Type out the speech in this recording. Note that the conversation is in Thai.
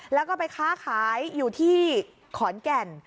แล้วก็ไปค้าขายอยู่ที่ขอนแก่น